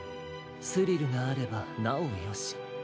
スリルがあればなおよし。